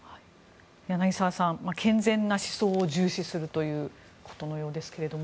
柳澤さん、健全な思想を重視するということのようです。